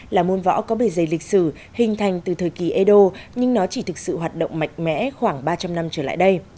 là môn võ có bề dày lịch sử hình thành từ thời kỳ eddo nhưng nó chỉ thực sự hoạt động mạnh mẽ khoảng ba trăm linh năm trở lại đây